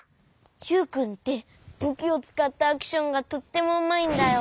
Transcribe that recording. ユウくんってぶきをつかったアクションがとってもうまいんだよ。